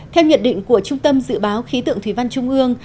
theo nhận định của trung tâm dự báo khí tượng thủy văn trung ương